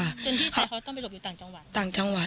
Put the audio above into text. จนพี่ชายเขาต้องไปหลบอยู่ต่างจังหวัดต่างจังหวัด